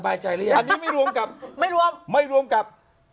อันนี้ไม่รวมกับ